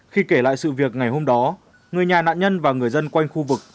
khi kể lại sự việc ngày hôm đó người nhà nạn nhân và người dân quanh khu vực